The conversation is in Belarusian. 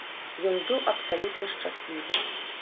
Ён быў абсалютна шчаслівы.